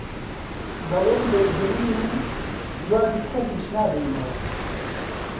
دەڵێن دەیبڕین و جوابی کەسیش نادەینەوە